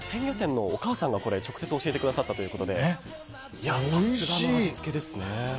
鮮魚店のお母さんが直接教えてくださったということでさすがの味付けですね。